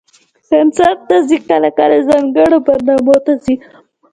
کنسرټ ته ځئ؟ کله کله، ځانګړو برنامو ته ځم